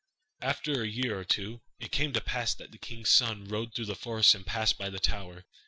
After a year or two, it came to pass that the king's son rode through the forest and passed by the tower.